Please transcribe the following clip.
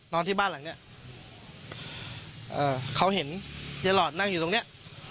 นอนที่บ้านหลังเนี้ยเอ่อเขาเห็นยายหลอดนั่งอยู่ตรงเนี้ย